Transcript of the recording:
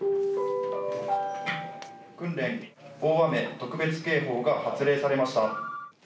訓練大雨特別警報が発令されました。